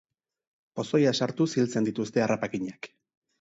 Pozoia sartuz hiltzen dituzte harrapakinak.